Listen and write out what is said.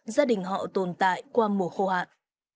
gia đình họ tồn tại qua mùa khô hạn